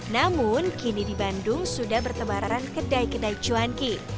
namun kini di bandung sudah bertebaran kedai kedai cuanki